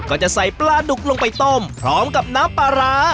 ก็จะใส่ปลาดุกลงไปต้มพร้อมกับน้ำปลาร้า